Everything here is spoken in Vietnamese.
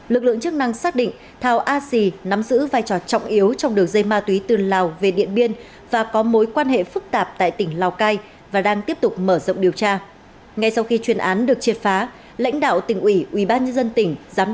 lực lượng chức năng xác định thao a sì nắm giữ vai trò trọng yếu trong đường dây ma túy từ lào về điện biên và có mối quan hệ phức tạp tại tỉnh lào cai và đang tiếp tục mở rộng điều tra